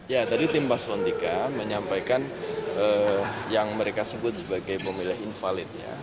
ya tadi tim paslon tiga menyampaikan yang mereka sebut sebagai pemilih invalid ya